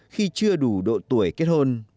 khi chưa đủ độ tuổi kết hôn